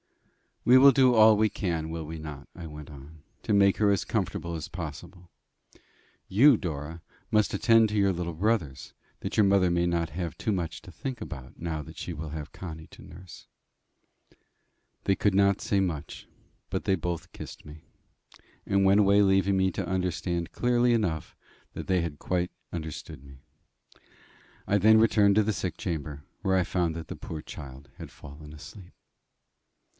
"We will do all we can, will we not," I went on, "to make her as comfortable as possible? You, Dora, must attend to your little brothers, that your mother may not have too much to think about now that she will have Connie to nurse." They could not say much, but they both kissed me, and went away leaving me to understand clearly enough that they had quite understood me. I then returned to the sick chamber, where I found that the poor child had fallen asleep.